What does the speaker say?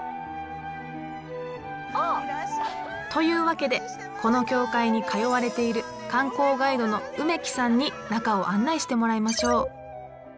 というわけでこの教会に通われている観光ガイドの梅木さんに中を案内してもらいましょう。